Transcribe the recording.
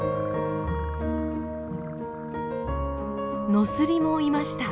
ノスリもいました。